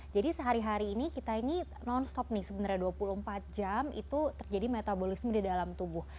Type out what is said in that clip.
jadi sehari hari ini kita ini non stop nih sebenarnya dua puluh empat jam itu terjadi metabolisme di dalam tubuh